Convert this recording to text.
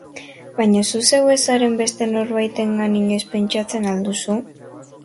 Baina zu zeu ez zaren beste norbaitengan inoiz pentsatzen al duzu?